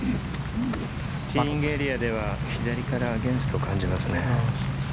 ティーイングエリアでは左からアゲンストを感じますね。